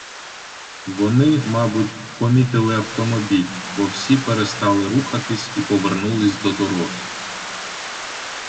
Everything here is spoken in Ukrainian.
Вони, мабуть, помітили автомобіль, бо всі перестали рухатись і повернулись до дороги.